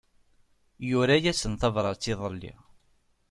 Yura-asen tabrat iḍelli.